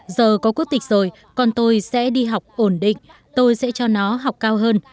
giờ có quốc tịch rồi con tôi sẽ đi học ổn định tôi sẽ cho nó học cao hơn